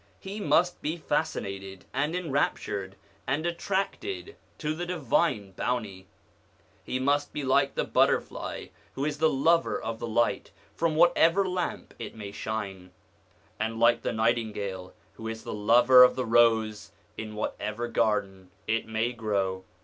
He must be fascinated and enraptured, and attracted to the divine bounty; he must be like the butterfly who is the lover of the light from whatever lamp it may shine, and like the nightingale who is the lover of the rose in whatever garden it may grow.